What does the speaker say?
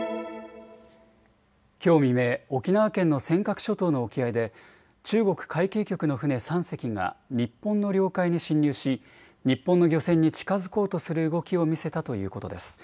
きょう未明、沖縄県の尖閣諸島の沖合で中国海警局の船３隻が日本の領海に侵入し日本の漁船に近づこうとする動きを見せたということです。